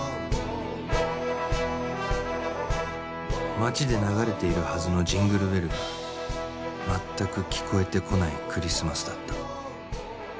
街で流れているはずの『ジングルベル』が全く聞こえてこないクリスマスだった